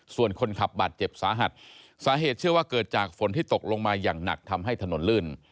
ส่วนคนขับบาดเจ็บสาหัสสาเหตุเชื่อว่าเกิดจากฝนที่ตกลงมาอย่างหนักทำให้ถนนลื่น